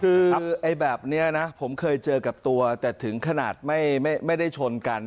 คือแบบนี้นะผมเคยเจอกับตัวแต่ถึงขนาดไม่ได้ชนกัน